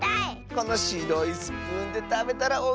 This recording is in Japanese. このしろいスプーンでたべたらおいしそう！